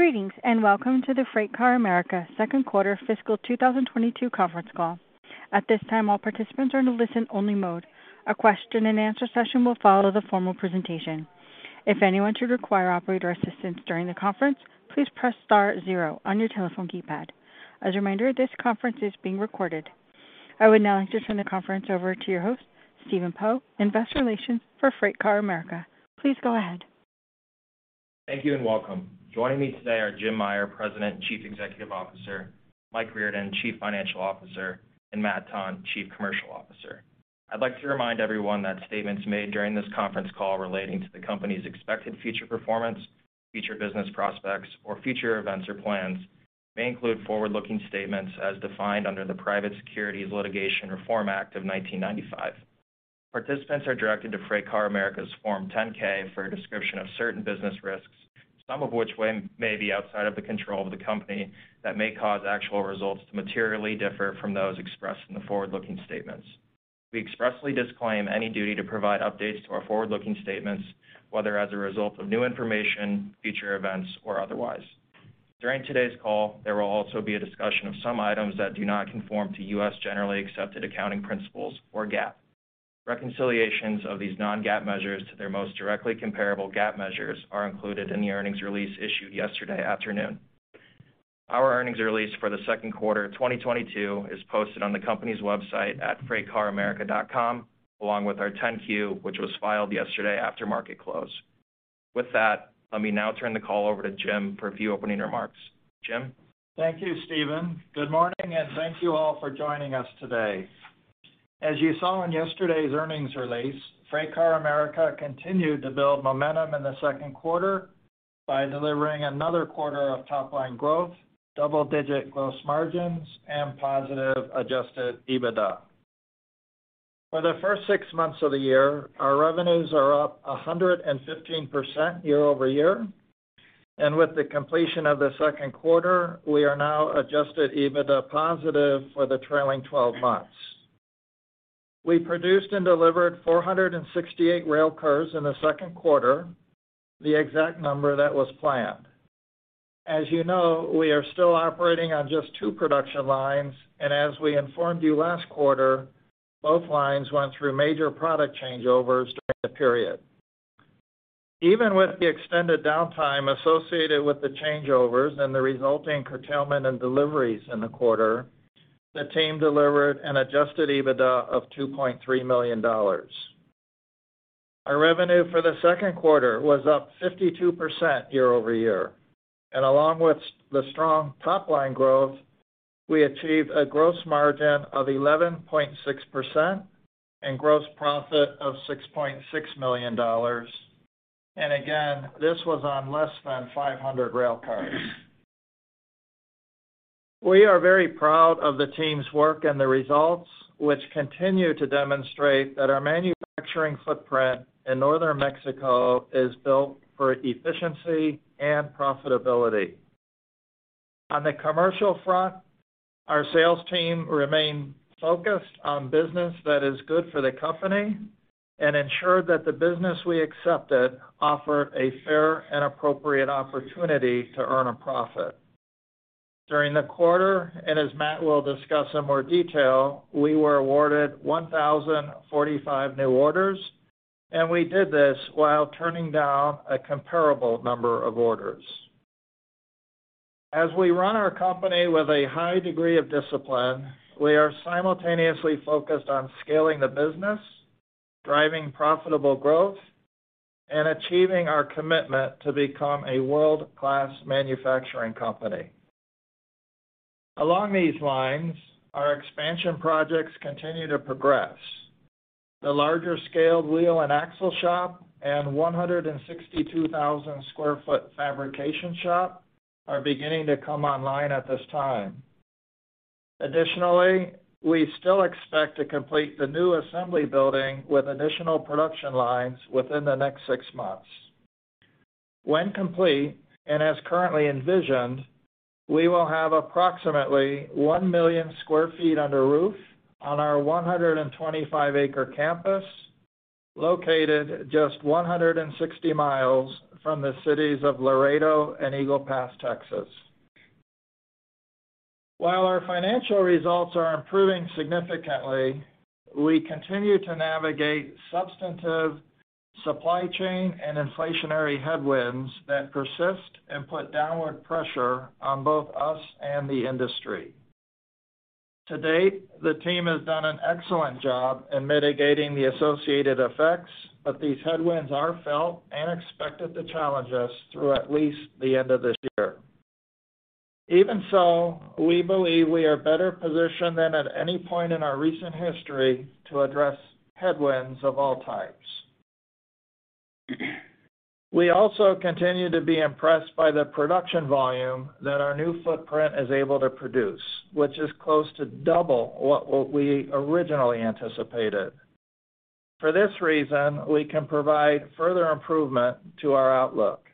Greetings, and Welcome to the FreightCar America second quarter fiscal 2022 conference call. At this time, all participants are in listen-only mode. A question and answer session will follow the formal presentation. If anyone should require operator assistance during the conference, please press star zero on your telephone keypad. As a reminder, this conference is being recorded. I would now like to turn the conference over to your host, Stephen Poe, Investor Relations for FreightCar America. Please go ahead. Thank you and welcome. Joining me today are Jim Meyer, President and Chief Executive Officer, Mike Riordan, Chief Financial Officer, and Matt Tonn, Chief Commercial Officer. I'd like to remind everyone that statements made during this conference call relating to the company's expected future performance, future business prospects or future events or plans may include forward-looking statements as defined under the Private Securities Litigation Reform Act of 1995. Participants are directed to FreightCar America's Form 10-K for a description of certain business risks, some of which may be outside of the control of the company, that may cause actual results to materially differ from those expressed in the forward-looking statements. We expressly disclaim any duty to provide updates to our forward-looking statements, whether as a result of new information, future events, or otherwise. During today's call, there will also be a discussion of some items that do not conform to U.S. generally accepted accounting principles or GAAP. Reconciliations of these non-GAAP measures to their most directly comparable GAAP measures are included in the earnings release issued yesterday afternoon. Our earnings release for the second quarter of 2022 is posted on the company's website at freightcaramerica.com, along with our 10-Q, which was filed yesterday after market close. With that, let me now turn the call over to Jim for a few opening remarks, Jim? Thank you, Stephen. Good morning and thank you all for joining us today. As you saw in yesterday's earnings release FreightCar America continued to build momentum in the second quarter by delivering another quarter of top line growth double-digit gross margins, and positive adjusted EBITDA. For the first six months of the year, our revenues are up 115% year-over-year, and with the completion of the second quarter, we are now adjusted EBITDA positive for the trailing twelve months. We produced and delivered 468 railcars in the second quarter, the exact number that was planned. As you know, we are still operating on just two production lines, and as we informed you last quarter both lines went through major product changeovers during the period. Even with the extended downtime associated with the changeovers and the resulting curtailment and deliveries in the quarter the team delivered an adjusted EBITDA of $2.3 million. Our revenue for the second quarter was up 52% year-over-year. Along with the strong top line growth, we achieved a gross margin of 11.6% and gross profit of $6.6 million. Again, this was on less than 500 railcars. We are very proud of the team's work and the results, which continue to demonstrate that our manufacturing footprint in northern Mexico is built for efficiency and profitability. On the commercial front, our sales team remained focused on business that is good for the company and ensured that the business we accepted offered a fair and appropriate opportunity to earn a profit. During the quarter and as Matt will discuss in more detail, we were awarded 1,045 new orders and we did this while turning down a comparable number of orders. As we run our company with a high degree of discipline, we are simultaneously focused on scaling the business, driving profitable growth, and achieving our commitment to become a world-class manufacturing company. Along these lines, our expansion projects continue to progress. The larger scaled wheel and axle shop and 162,000 sq ft fabrication shop are beginning to come online at this time. Additionally, we still expect to complete the new assembly building with additional production lines within the next six months. When complete, and as currently envisioned, we will have approximately 1 million sq ft under roof on our 125-acre campus located just 160 miles from the cities of Laredo and Eagle Pass, Texas. While our financial results are improving significantly, we continue to navigate substantive supply chain and inflationary headwinds that persist and put downward pressure on both us and the industry. To date, the team has done an excellent job in mitigating the associated effects, but these headwinds are felt and expected to challenge us through at least the end of this year. Even so, we believe we are better positioned than at any point in our recent history to address headwinds of all types. We also continue to be impressed by the production volume that our new footprint is able to produce, which is close to double what we originally anticipated. For this reason, we can provide further improvement to our outlook.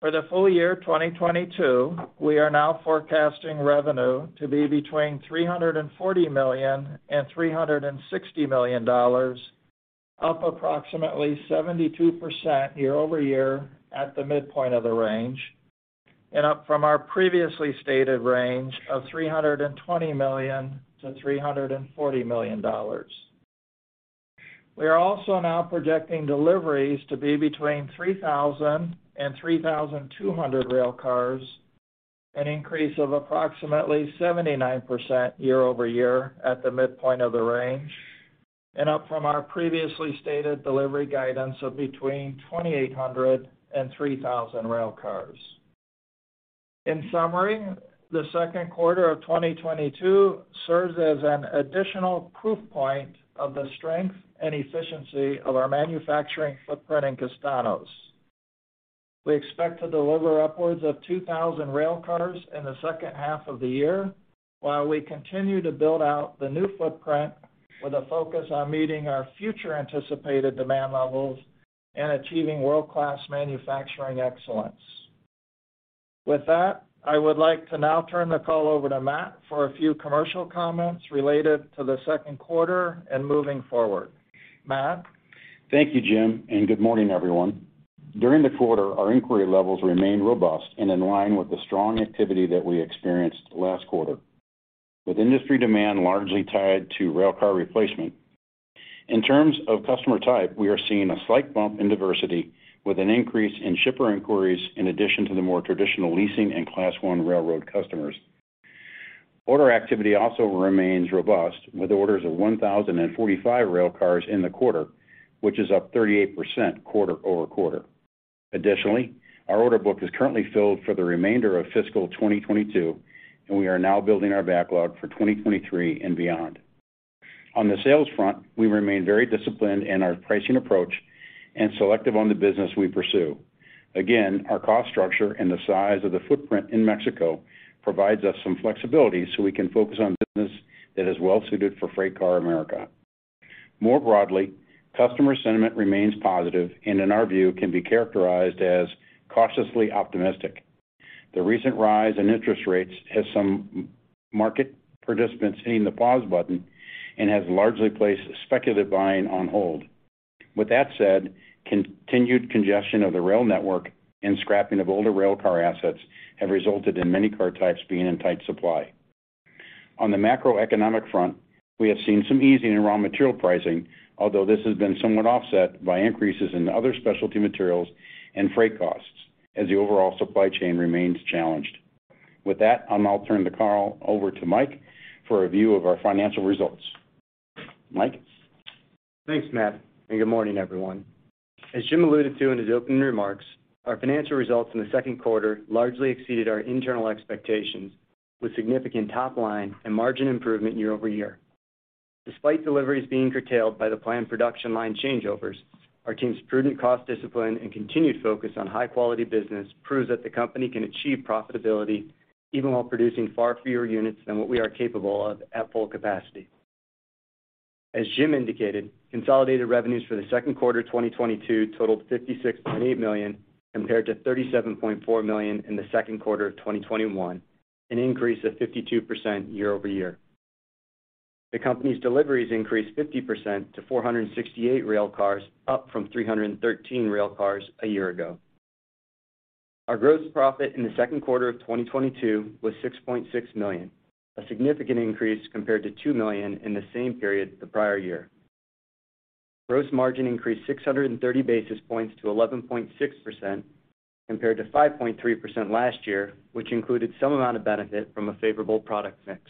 For the full year 2022, we are now forecasting revenue to be between $340 million and $360 million. Up approximately 72% year-over-year at the midpoint of the range, and up from our previously stated range of $320 million-$340 million. We are also now projecting deliveries to be between 3,000 and 3,200 railcars, an increase of approximately 79% year-over-year at the midpoint of the range, and up from our previously stated delivery guidance of between 2,800 and 3,000 railcars. In summary, the second quarter of 2022 serves as an additional proof point of the strength and efficiency of our manufacturing footprint in Castaños. We expect to deliver upwards of 2,000 railcars in the second half of the year while we continue to build out the new footprint with a focus on meeting our future anticipated demand levels and achieving world-class manufacturing excellence. With that, I would like to now turn the call over to Matt for a few commercial comments related to the second quarter and moving forward. Matt? Thank you, Jim, and good morning, everyone. During the quarter, our inquiry levels remained robust and in line with the strong activity that we experienced last quarter, with industry demand largely tied to railcar replacement. In terms of customer type, we are seeing a slight bump in diversity with an increase in shipper inquiries in addition to the more traditional leasing and Class I railroad customers. Order activity also remains robust, with orders of 1,045 railcars in the quarter, which is up 38% quarter-over-quarter. Additionally, our order book is currently filled for the remainder of fiscal 2022, and we are now building our backlog for 2023 and beyond. On the sales front, we remain very disciplined in our pricing approach and selective on the business we pursue. Again, our cost structure and the size of the footprint in Mexico provides us some flexibility so we can focus on business that is well suited for FreightCar America. More broadly, customer sentiment remains positive and, in our view, can be characterized as cautiously optimistic. The recent rise in interest rates has some market participants hitting the pause button and has largely placed speculative buying on hold. With that said, continued congestion of the rail network and scrapping of older railcar assets have resulted in many car types being in tight supply. On the macroeconomic front, we have seen some easing in raw material pricing, although this has been somewhat offset by increases in other specialty materials and freight costs as the overall supply chain remains challenged. With that, I'll now turn the call over to Mike for a view of our financial results. Mike? Thanks, Matt, and good morning, everyone. As Jim alluded to in his opening remarks, our financial results in the second quarter largely exceeded our internal expectations, with significant top line and margin improvement year-over-year. Despite deliveries being curtailed by the planned production line changeovers, our team's prudent cost discipline and continued focus on high-quality business proves that the company can achieve profitability even while producing far fewer units than what we are capable of at full capacity. As Jim indicated, consolidated revenues for the second quarter of 2022 totaled $56.8 million, compared to $37.4 million in the second quarter of 2021, an increase of 52% year-over-year. The company's deliveries increased 50% to 468 railcars, up from 313 railcars a year ago. Our gross profit in the second quarter of 2022 was $6.6 million; a significant increase compared to $2 million in the same period the prior year. Gross margin increased 630 basis points to 11.6% compared to 5.3% last year, which included some amount of benefit from a favorable product mix.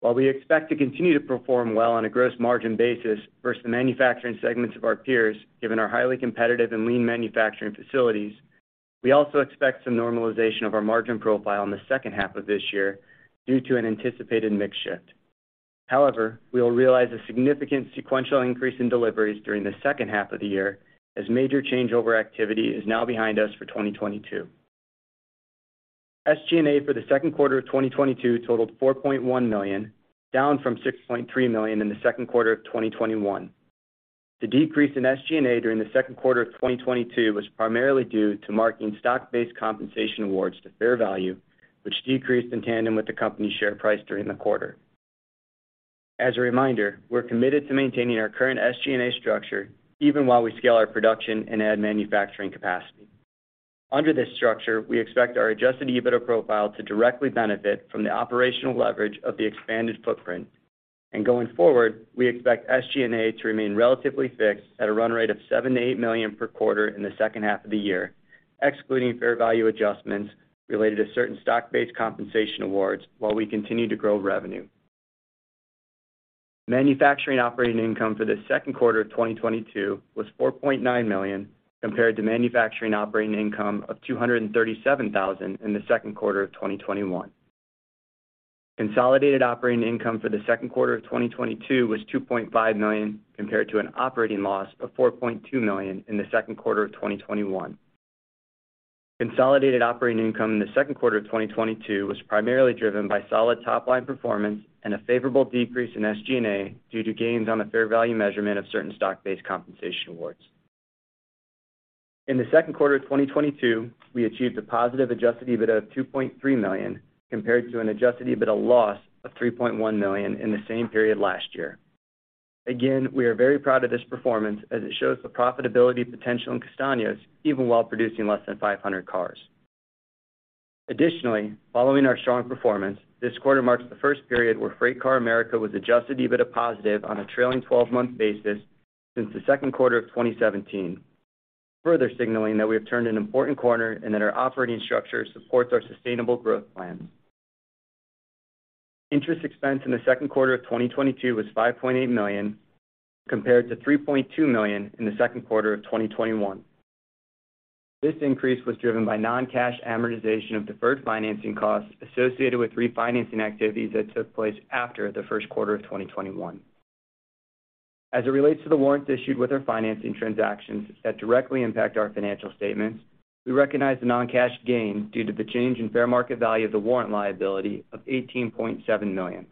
While we expect to continue to perform well on a gross margin basis versus the manufacturing segments of our peers, given our highly competitive and lean manufacturing facilities, we also expect some normalization of our margin profile in the second half of this year due to an anticipated mix shift. However, we will realize a significant sequential increase in deliveries during the second half of the year as major changeover activity is now behind us for 2022. SG&A for the second quarter of 2022 totaled $4.1 million, down from $6.3 million in the second quarter of 2021. The decrease in SG&A during the second quarter of 2022 was primarily due to marking stock-based compensation awards to fair value, which decreased in tandem with the company's share price during the quarter. As a reminder, we're committed to maintaining our current SG&A structure even while we scale our production and add manufacturing capacity. Under this structure, we expect our adjusted EBITDA profile to directly benefit from the operational leverage of the expanded footprint. Going forward, we expect SG&A to remain relatively fixed at a run rate of $7 million-$8 million per quarter in the second half of the year, excluding fair value adjustments related to certain stock-based compensation awards while we continue to grow revenue. Manufacturing operating income for the second quarter of 2022 was $4.9 million, compared to manufacturing operating income of $237,000 in the second quarter of 2021. Consolidated operating income for the second quarter of 2022 was $2.5 million compared to an operating loss of $4.2 million in the second quarter of 2021. Consolidated operating income in the second quarter of 2022 was primarily driven by solid top-line performance and a favorable decrease in SG&A due to gains on the fair value measurement of certain stock-based compensation awards. In the second quarter of 2022, we achieved a positive adjusted EBITDA of $2.3 million, compared to an adjusted EBITDA loss of $3.1 million in the same period last year. Again, we are very proud of this performance as it shows the profitability potential in Castaños even while producing less than 500 cars. Additionally, following our strong performance, this quarter marks the first period where FreightCar America was adjusted EBITDA positive on a trailing twelve-month basis since the second quarter of 2017. Further signaling that we have turned an important corner and that our operating structure supports our sustainable growth plans. Interest expense in the second quarter of 2022 was $5.8 million, compared to $3.2 million in the second quarter of 2021. This increase was driven by non-cash amortization of deferred financing costs associated with refinancing activities that took place after the first quarter of 2021. As it relates to the warrants issued with our financing transactions that directly impact our financial statements, we recognize the non-cash gain due to the change in fair market value of the warrant liability of $18.7 million.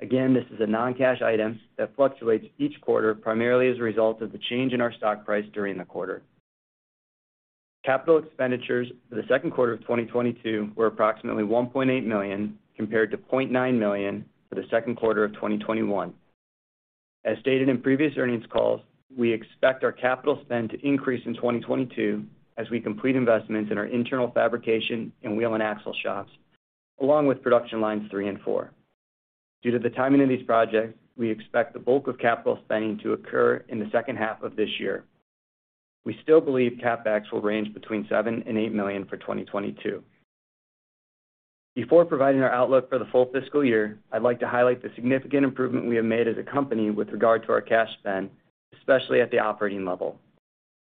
Again, this is a non-cash item that fluctuates each quarter primarily as a result of the change in our stock price during the quarter. Capital expenditures for the second quarter of 2022 were approximately $1.8 million, compared to $0.9 million for the second quarter of 2021. As stated in previous earnings calls, we expect our capital spend to increase in 2022 as we complete investments in our internal fabrication and wheel and axle shops, along with production lines three and four. Due to the timing of these projects, we expect the bulk of capital spending to occur in the second half of this year. We still believe CapEx will range between $7 million and $8 million for 2022. Before providing our outlook for the full fiscal year, I'd like to highlight the significant improvement we have made as a company with regard to our cash spend, especially at the operating level.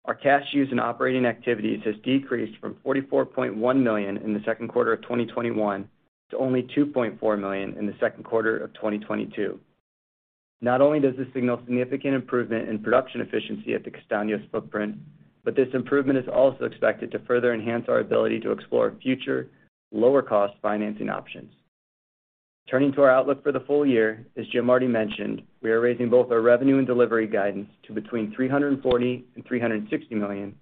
Our cash use in operating activities has decreased from $44.1 million in the second quarter of 2021 to only $2.4 million in the second quarter of 2022. Not only does this signal significant improvement in production efficiency at the Castaños footprint, but this improvement is also expected to further enhance our ability to explore future lower cost financing options. Turning to our outlook for the full year, as Jim already mentioned, we are raising both our revenue and delivery guidance to between $340 million-$360 million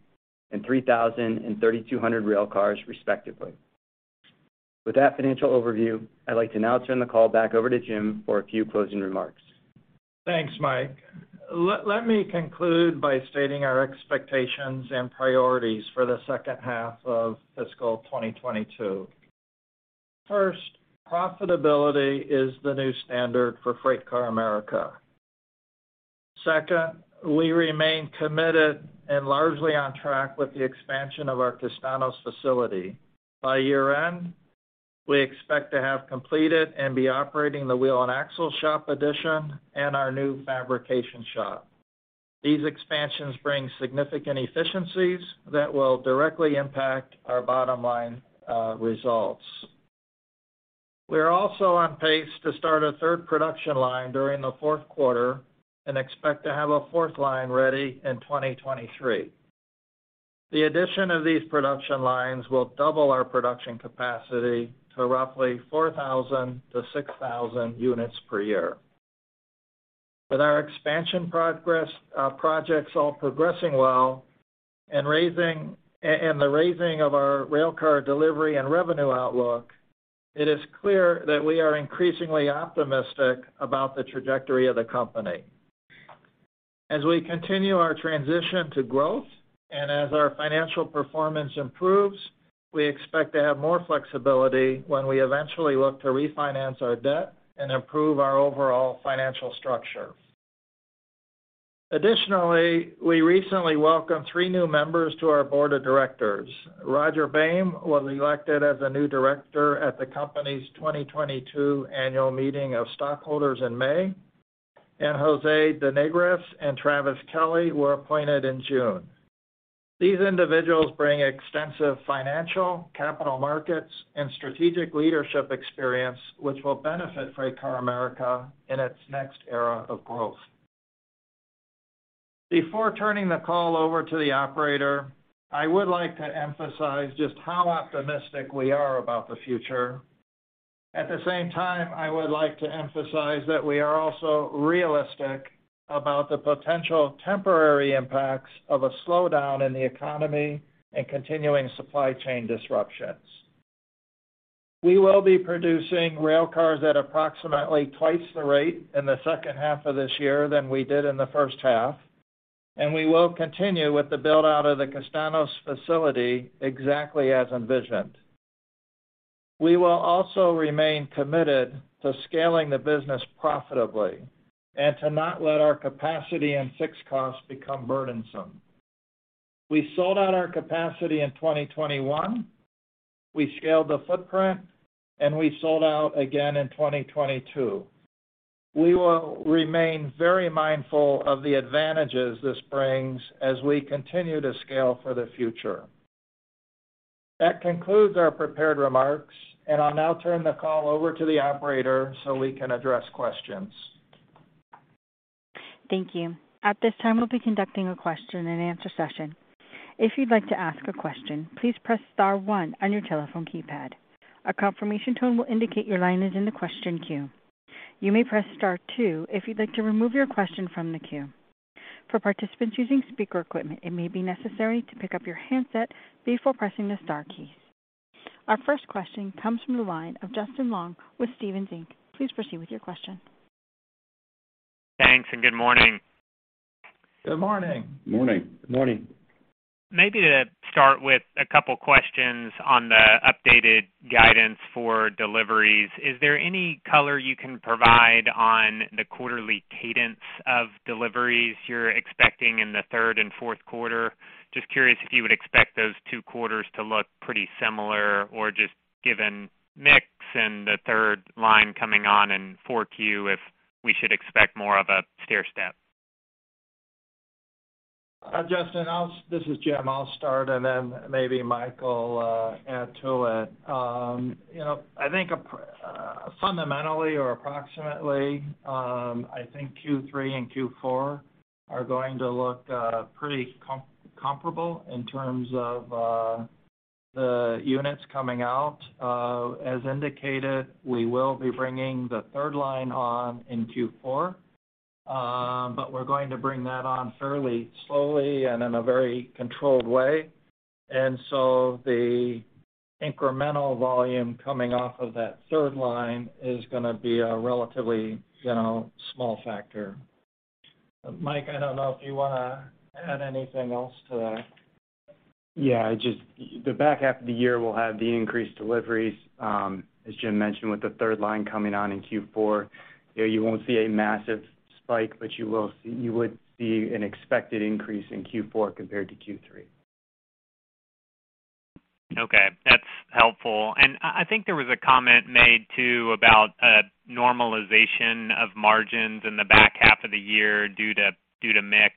and 3,000-3,200 railcars, respectively. With that financial overview, I'd like to now turn the call back over to Jim for a few closing remarks. Thanks, Mike. Let me conclude by stating our expectations and priorities for the second half of fiscal 2022. First, profitability is the new standard for FreightCar America. Second, we remain committed and largely on track with the expansion of our Castaños facility. By year-end, we expect to have completed and be operating the wheel and axle shop addition and our new fabrication shop. These expansions bring significant efficiencies that will directly impact our bottom line, results. We are also on pace to start a third production line during the fourth quarter and expect to have a fourth line ready in 2023. The addition of these production lines will double our production capacity to roughly 4,000-6,000 units per year. With our expansion progress, projects all progressing well and the raising of our railcar delivery and revenue outlook, it is clear that we are increasingly optimistic about the trajectory of the company. As we continue our transition to growth and as our financial performance improves, we expect to have more flexibility when we eventually look to refinance our debt and improve our overall financial structure. Additionally, we recently welcomed three new members to our board of directors. Rodger Boehm was elected as a new director at the company's 2022 annual meeting of stockholders in May, and José De Nigris and Travis Kelly were appointed in June. These individuals bring extensive financial, capital markets, and strategic leadership experience which will benefit FreightCar America in its next era of growth. Before turning the call over to the operator, I would like to emphasize just how optimistic we are about the future. At the same time, I would like to emphasize that we are also realistic about the potential temporary impacts of a slowdown in the economy and continuing supply chain disruptions. We will be producing railcars at approximately twice the rate in the second half of this year than we did in the first half, and we will continue with the build-out of the Castaños facility exactly as envisioned. We will also remain committed to scaling the business profitably and to not let our capacity and fixed costs become burdensome. We sold out our capacity in 2021, we scaled the footprint, and we sold out again in 2022. We will remain very mindful of the advantages this brings as we continue to scale for the future. That concludes our prepared remarks, and I'll now turn the call over to the operator so we can address questions. Thank you. At this time, we'll be conducting a question-and-answer session. If you'd like to ask a question, please press star one on your telephone keypad. A confirmation tone will indicate your line is in the question queue. You may press star two if you'd like to remove your question from the queue. For participants using speaker equipment, it may be necessary to pick up your handset before pressing the star key. Our first question comes from the line of Justin Long with Stephens Inc. Please proceed with your question. Thanks, and good morning. Good morning. Morning. Morning. Maybe to start with a couple questions on the updated guidance for deliveries. Is there any color you can provide on the quarterly cadence of deliveries you're expecting in the third and fourth quarter? Just curious if you would expect those two quarters to look pretty similar or just given mix and the third line coming on in 4Q, if we should expect more of a stairstep? Justin, this is Jim. I'll start, and then maybe Mike will add to it. You know, I think fundamentally or approximately, I think Q3 and Q4 are going to look pretty comparable in terms of the units coming out. As indicated, we will be bringing the third line on in Q4, but we're going to bring that on fairly slowly and in a very controlled way. The incremental volume coming off of that third line is gonna be a relatively, you know, small factor. Mike, I don't know if you wanna add anything else to that. Yeah, just the back half of the year will have the increased deliveries, as Jim mentioned, with the third line coming on in Q4. You know, you won't see a massive spike, but you would see an expected increase in Q4 compared to Q3. Okay, that's helpful. I think there was a comment made too about a normalization of margins in the back half of the year due to mix.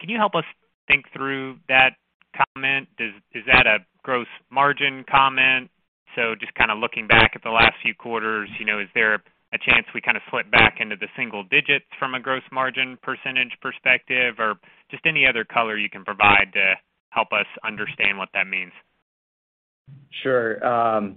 Can you help us think through that comment? Is that a gross margin comment? Just kinda looking back at the last few quarters, you know, is there a chance we kinda slip back into the single digits from a gross margin percentage perspective? Or just any other color you can provide to help us understand what that means. Sure.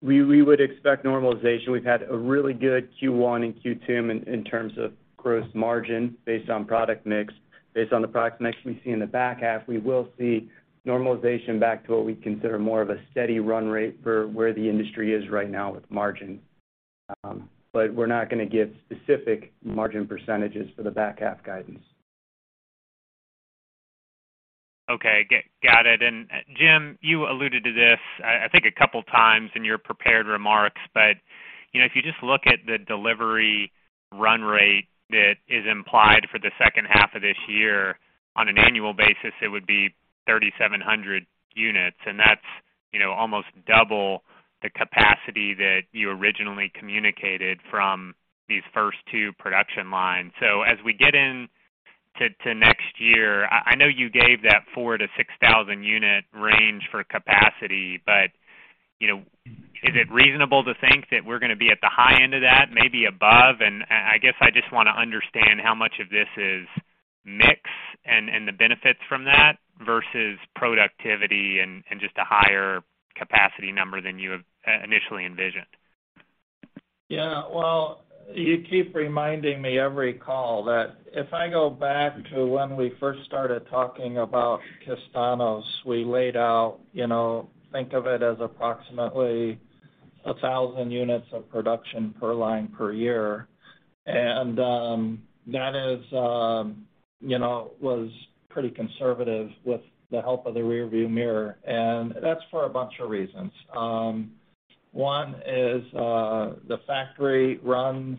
We would expect normalization. We've had a really good Q1 and Q2 in terms of gross margin based on product mix. Based on the product mix we see in the back half, we will see normalization back to what we consider more of a steady run rate for where the industry is right now with margin. We're not gonna give specific margin percentages for the back half guidance. Okay, got it. Jim, you alluded to this, I think a couple times in your prepared remarks, but, you know, if you just look at the delivery run rate that is implied for the second half of this year, on an annual basis, it would be 3,700 units, and that's, you know, almost double the capacity that you originally communicated from these first two production lines. As we get into next year, I know you gave that 4,000-6,000-unit range for capacity, but, you know, is it reasonable to think that we're going to be at the high end of that, maybe above? I guess I just want to understand how much of this is mix and the benefits from that versus productivity and just a higher capacity number than you have initially envisioned. Yeah. Well, you keep reminding me every call that if I go back to when we first started talking about Castaños, we laid out, you know, think of it as approximately 1,000 units of production per line per year. That is, you know, was pretty conservative with the help of the rearview mirror, and that's for a bunch of reasons. One is, the factory runs,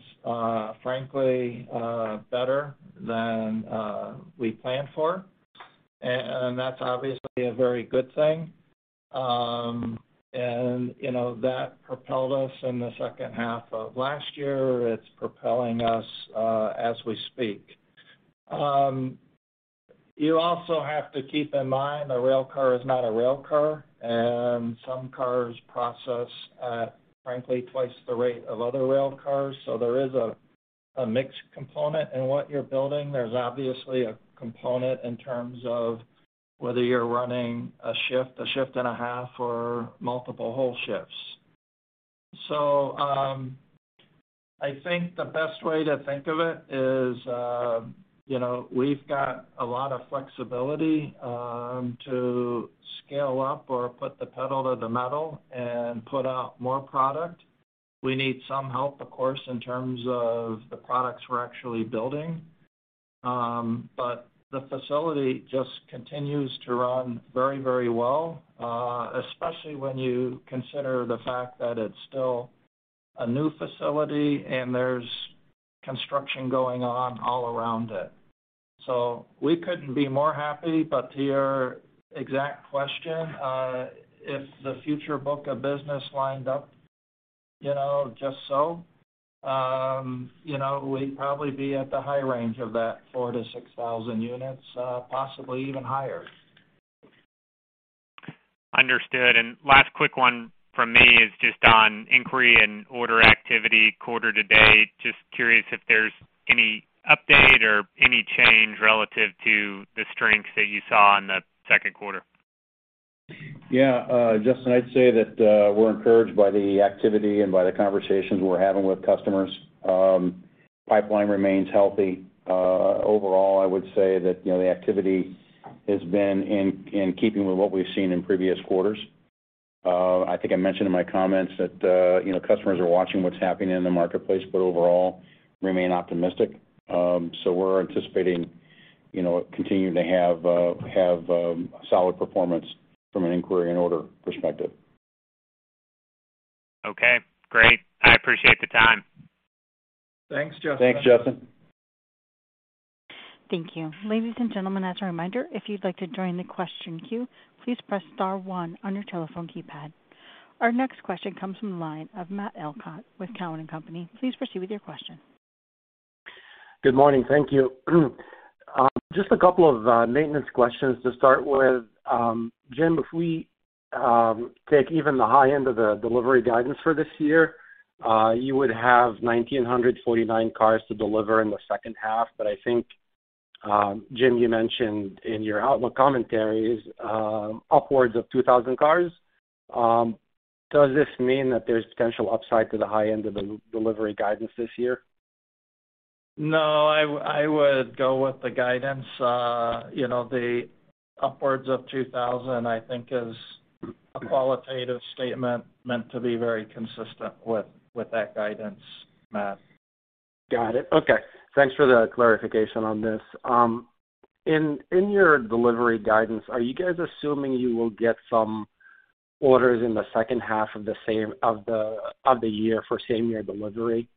frankly, better than we planned for, and that's obviously a very good thing. You know, that propelled us in the second half of last year. It's propelling us, as we speak. You also have to keep in mind a railcar is not a railcar, and some cars process at, frankly, twice the rate of other railcars. There is a mix component in what you're building. There's obviously a component in terms of whether you're running a shift, a shift and a half, or multiple whole shifts. I think the best way to think of it is, you know, we've got a lot of flexibility, to scale up or put the pedal to the metal and put out more product. We need some help, of course, in terms of the products we're actually building. The facility just continues to run very, very well, especially when you consider the fact that it's still a new facility and there's construction going on all around it. We couldn't be more happy. To your exact question, if the future book of business lined up, you know, just so, you know, we'd probably be at the high range of that 4,000-6,000 units, possibly even higher. Understood. Last quick one from me is just on inquiry and order activity quarter to date. Just curious if there's any update or any change relative to the strengths that you saw in the second quarter. Yeah, Justin, I'd say that we're encouraged by the activity and by the conversations we're having with customers. Pipeline remains healthy. Overall, I would say that, you know, the activity has been in keeping with what we've seen in previous quarters. I think I mentioned in my comments that, you know, customers are watching what's happening in the marketplace but overall remain optimistic. We're anticipating, you know, continuing to have solid performance from an inquiry and order perspective. Okay, great. I appreciate the time. Thanks, Justin. Thanks, Justin. Thank you. Ladies and gentlemen, as a reminder, if you'd like to join the question queue, please press star one on your telephone keypad. Our next question comes from the line of Matt Elkott with Cowen and Company. Please proceed with your question. Good morning. Thank you. Just a couple of maintenance questions to start with. Jim, if we take even the high end of the delivery guidance for this year, you would have 1,949 cars to deliver in the second half. I think, Jim, you mentioned in your outlook commentary is upwards of 2,000 cars. Does this mean that there's potential upside to the high end of the delivery guidance this year? No, I would go with the guidance. You know, upwards of 2,000, I think is a qualitative statement meant to be very consistent with that guidance, Matt. Got it. Okay. Thanks for the clarification on this. In your delivery guidance, are you guys assuming you will get some orders in the second half of the year for same-year delivery?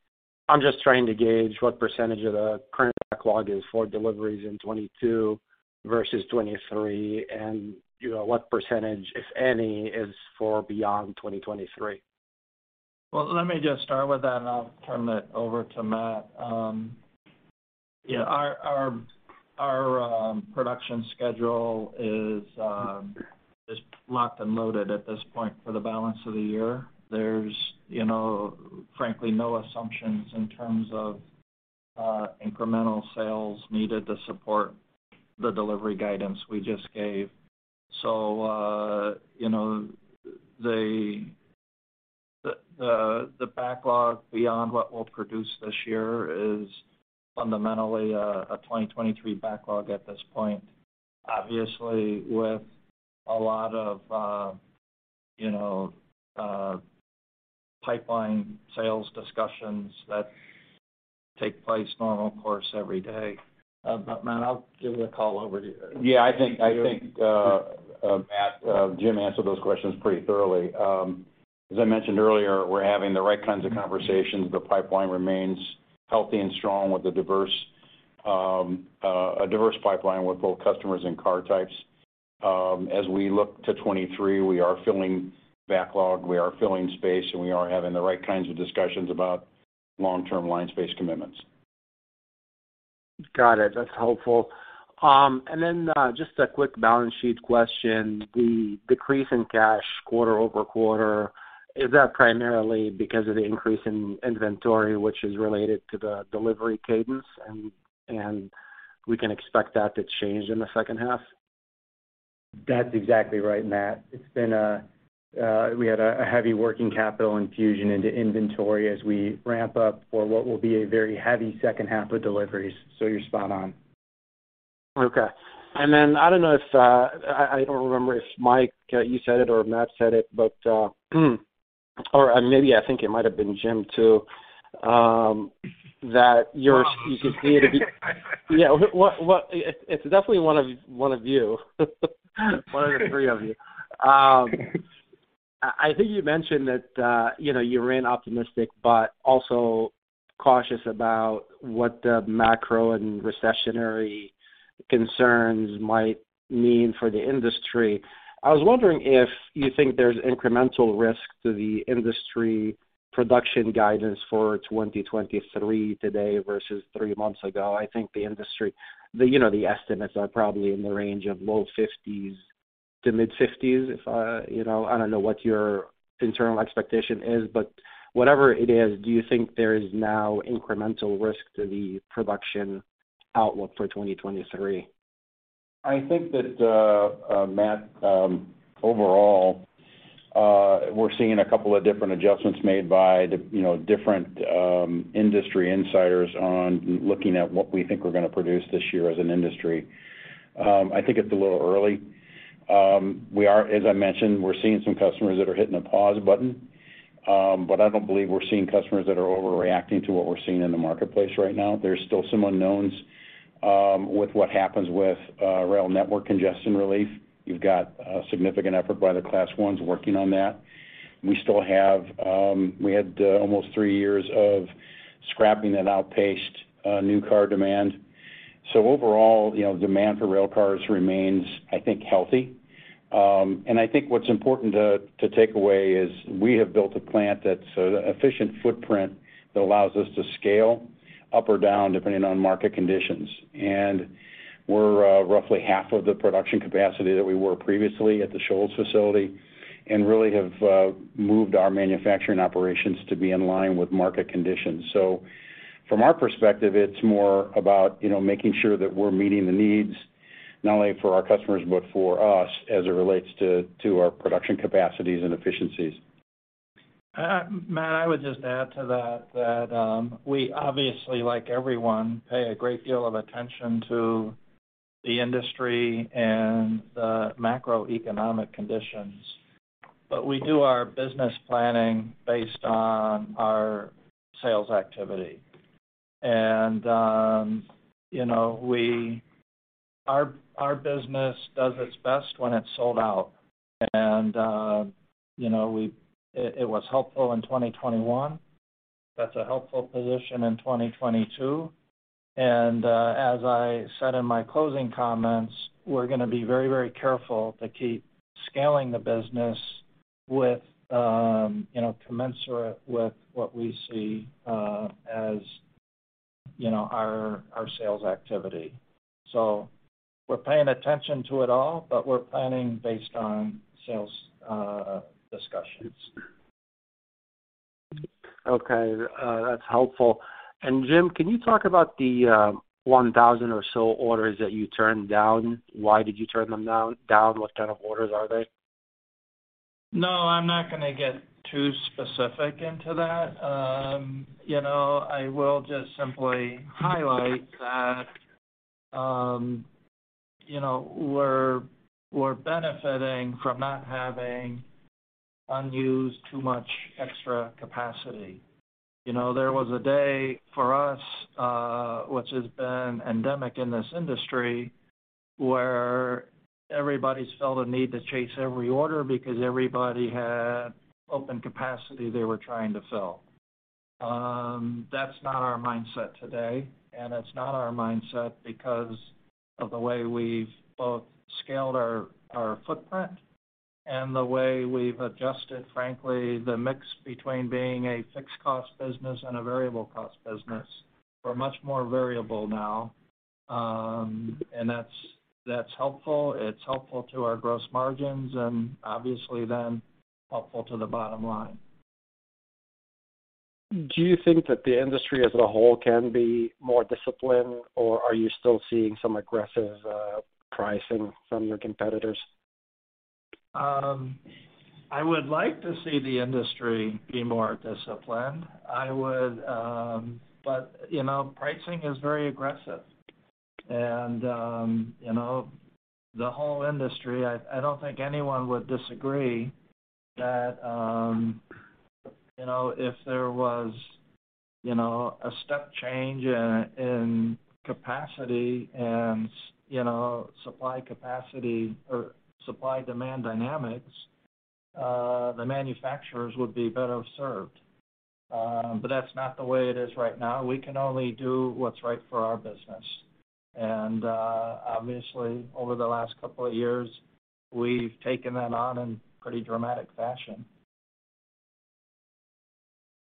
I'm just trying to gauge what percentage of the current backlog is for deliveries in 2022 versus 2023 and, you know, what percentage, if any, is for beyond 2023. Well, let me just start with that, and I'll turn it over to Matt. Yeah, our production schedule is locked and loaded at this point for the balance of the year. There's, you know, frankly, no assumptions in terms of incremental sales needed to support the delivery guidance we just gave. You know, the backlog beyond what we'll produce this year is fundamentally a 2023 backlog at this point. Obviously, with a lot of you know pipeline sales discussions that take place normal course every day. Matt, I'll give the call over to you. Yeah, I think Matt, Jim answered those questions pretty thoroughly. As I mentioned earlier, we're having the right kinds of conversations. The pipeline remains healthy and strong with a diverse pipeline with both customers and car types. As we look to 2023, we are filling backlog, we are filling space, and we are having the right kinds of discussions about long-term line space commitments. Got it. That's helpful. Then, just a quick balance sheet question. The decrease in cash quarter over quarter, is that primarily because of the increase in inventory, which is related to the delivery cadence, and we can expect that to change in the second half? That's exactly right, Matt. It's been we had a heavy working capital infusion into inventory as we ramp up for what will be a very heavy second half of deliveries. You're spot on. Okay. I don't know if I don't remember if Mike, you said it or Matt said it, but or maybe I think it might have been Jim too, that you could see it. Yeah. It's definitely one of you, one of the three of you. I think you mentioned that, you know, you ran optimistic but also cautious about what the macro and recessionary concerns might mean for the industry. I was wondering if you think there's incremental risk to the industry production guidance for 2023 today versus three months ago. You know, the estimates are probably in the range of low 50s to mid-50s if I, you know, I don't know what your internal expectation is, but whatever it is, do you think there is now incremental risk to the production outlook for 2023? I think that, Matt, overall, we're seeing a couple of different adjustments made by the, you know, different, industry insiders on looking at what we think we're going to produce this year as an industry. I think it's a little early. We are, as I mentioned, we're seeing some customers that are hitting a pause button, but I don't believe we're seeing customers that are overreacting to what we're seeing in the marketplace right now. There's still some unknowns, with what happens with, rail network congestion relief. You've got a significant effort by the Class I's working on that. We had almost three years of scrapping that outpaced, new car demand. Overall, you know, demand for railcars remains, I think, healthy. I think what's important to take away is we have built a plant that's an efficient footprint that allows us to scale up or down, depending on market conditions. We're roughly half of the production capacity that we were previously at the Shoals facility. We really have moved our manufacturing operations to be in line with market conditions. From our perspective, it's more about, you know, making sure that we're meeting the needs not only for our customers, but for us as it relates to our production capacities and efficiencies. Matt, I would just add to that, we obviously, like everyone, pay a great deal of attention to the industry and the macroeconomic conditions. We do our business planning based on our sales activity. You know, our business does its best when it's sold out. You know, it was helpful in 2021. That's a helpful position in 2022. As I said in my closing comments, we're gonna be very, very careful to keep scaling the business with, you know, commensurate with what we see as, you know, our sales activity. We're paying attention to it all, but we're planning based on sales discussions. Okay, that's helpful. Jim, can you talk about the 1,000 or so orders that you turned down? Why did you turn them down? What kind of orders are they? No, I'm not gonna get too specific into that. You know, I will just simply highlight that, you know, we're benefiting from not having too much unused extra capacity. You know, there was a day for us, which has been endemic in this industry, where everybody felt a need to chase every order because everybody had open capacity they were trying to fill. That's not our mindset today, and it's not our mindset because of the way we've both scaled our footprint and the way we've adjusted, frankly, the mix between being a fixed cost business and a variable cost business. We're much more variable now, and that's helpful. It's helpful to our gross margins and obviously then helpful to the bottom line. Do you think that the industry as a whole can be more disciplined, or are you still seeing some aggressive, pricing from your competitors? I would like to see the industry be more disciplined. You know, pricing is very aggressive. You know, the whole industry, I don't think anyone would disagree that, you know, if there was, you know, a step change in capacity and, you know, supply capacity or supply demand dynamics, the manufacturers would be better served. That's not the way it is right now. We can only do what's right for our business. Obviously, over the last couple of years, we've taken that on in pretty dramatic fashion.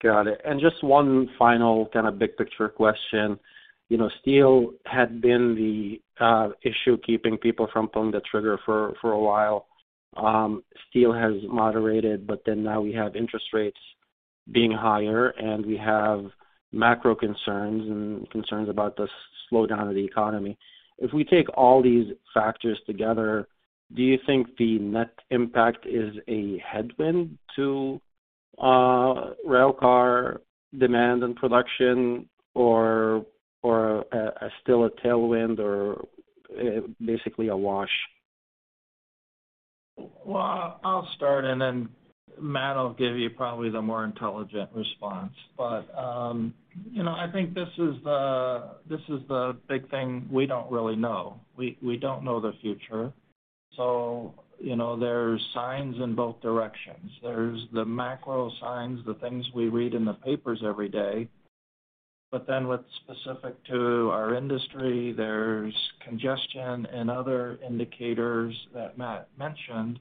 Got it. Just one final kind of big picture question. You know, steel had been the issue keeping people from pulling the trigger for a while. Steel has moderated, but then now we have interest rates being higher and we have macro concerns and concerns about the slowdown of the economy. If we take all these factors together, do you think the net impact is a headwind to railcar demand and production or still a tailwind or basically a wash? Well, I'll start and then Matt will give you probably the more intelligent response. You know, I think this is the big thing we don't really know. We don't know the future. You know, there's signs in both directions. There's the macro signs, the things we read in the papers every day. What's specific to our industry, there's congestion and other indicators that Matt mentioned.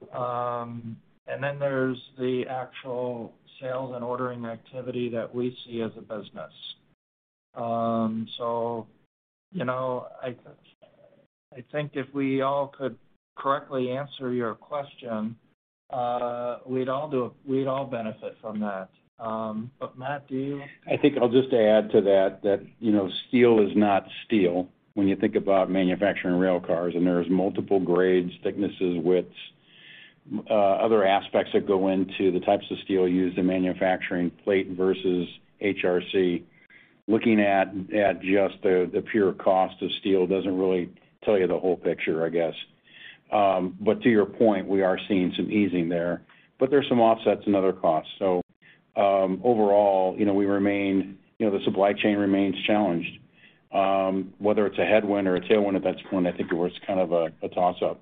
There's the actual sales and ordering activity that we see as a business. You know, I think if we all could correctly answer your question, we'd all benefit from that. Matt, do you? I think I'll just add to that, you know, steel is not steel when you think about manufacturing rail cars, and there's multiple grades, thicknesses, widths, other aspects that go into the types of steel used in manufacturing plate versus HRC. Looking at just the pure cost of steel doesn't really tell you the whole picture, I guess. To your point, we are seeing some easing there. There's some offsets and other costs. Overall, you know, the supply chain remains challenged. Whether it's a headwind or a tailwind at this point, I think it was kind of a toss-up.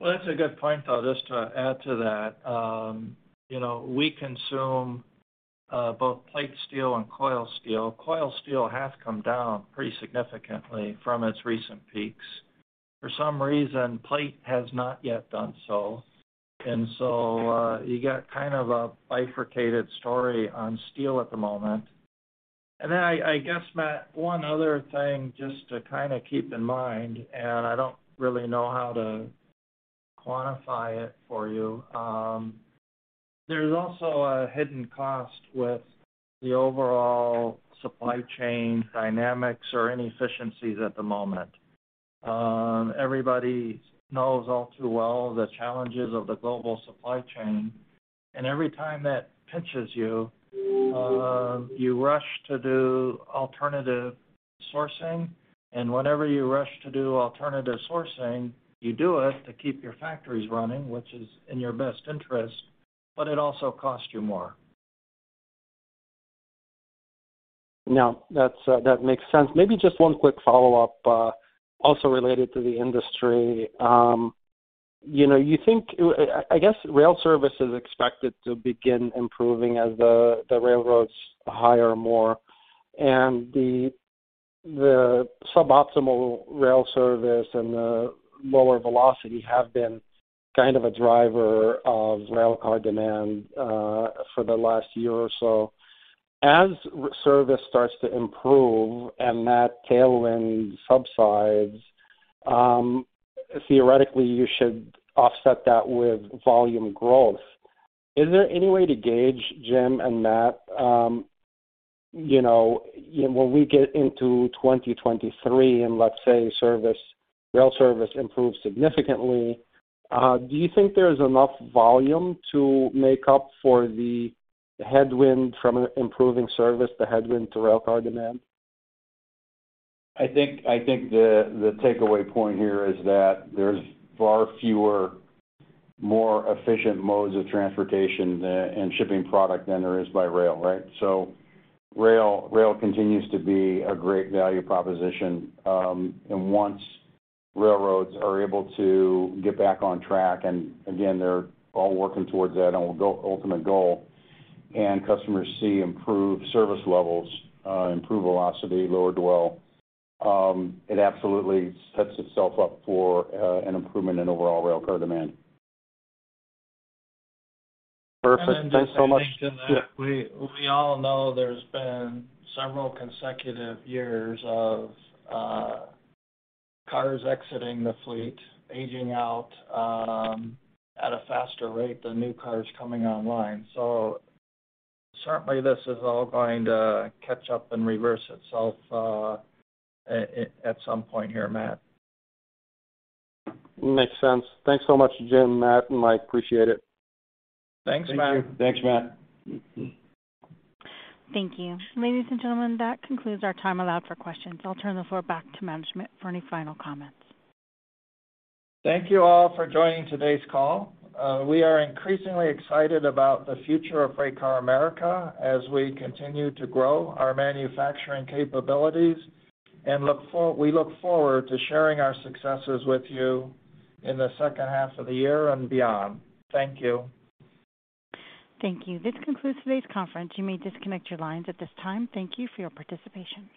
Well, that's a good point, though, just to add to that. You know, we consume both plate steel and coil steel. Coil steel has come down pretty significantly from its recent peaks. For some reason, plate has not yet done so. You've got kind of a bifurcated story on steel at the moment. Then I guess, Matt, one other thing just to kind of keep in mind, and I don't really know how to quantify it for you, there's also a hidden cost with the overall supply chain dynamics or inefficiencies at the moment. Everybody knows all too well the challenges of the global supply chain. Every time that pinches you rush to do alternative sourcing. Whenever you rush to do alternative sourcing, you do it to keep your factories running, which is in your best interest, but it also costs you more. No, that's, that makes sense. Maybe just one quick follow-up, also related to the industry. You know, I guess rail service is expected to begin improving as the railroads hire more. The suboptimal rail service and the lower velocity have been kind of a driver of railcar demand for the last year or so. As service starts to improve and that tailwind subsides, theoretically, you should offset that with volume growth. Is there any way to gauge, Jim and Matt, you know, when we get into 2023 and let's say service, rail service improves significantly, do you think there's enough volume to make up for the headwind from improving service, the headwind to railcar demand? I think the takeaway point here is that there's far fewer more efficient modes of transportation and shipping product than there is by rail, right? Rail continues to be a great value proposition. Once railroads are able to get back on track, and again, they're all working towards that and will go ultimate goal, and customers see improved service levels, improved velocity, lower dwell, it absolutely sets itself up for an improvement in overall railcar demand. Perfect. Thanks so much. Just to add to that, we all know there's been several consecutive years of cars exiting the fleet, aging out, at a faster rate than new cars coming online. Certainly, this is all going to catch up and reverse itself, at some point here, Matt. Makes sense. Thanks so much, Jim, Matt, and Mike. Appreciate it. Thanks, Matt. Thank you. Thanks, Matt. Thank you. Ladies and gentlemen, that concludes our time allowed for questions. I'll turn the floor back to management for any final comments. Thank you all for joining today's call. We are increasingly excited about the future of FreightCar America as we continue to grow our manufacturing capabilities, and we look forward to sharing our successes with you in the second half of the year and beyond. Thank you. Thank you. This concludes today's conference. You may disconnect your lines at this time. Thank you for your participation.